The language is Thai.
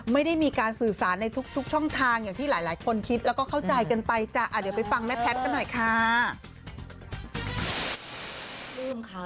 ไม่ได้มีการสื่อสารในทุกช่องทางอย่างที่หลายคนคิดแล้วก็เข้าใจกันไปจ้ะเดี๋ยวไปฟังแม่แพทย์กันหน่อยค่ะ